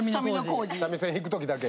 三味線弾く時だけ。